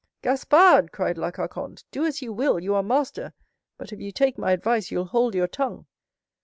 "Gaspard!" cried La Carconte, "do as you will; you are master—but if you take my advice you'll hold your tongue."